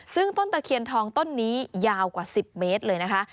ซึ่งต้นตะเคียนทองต้นนี้ยาวกว่า๑๐เมตรเลยนะคะ